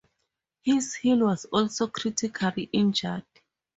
His heel was also critically injured.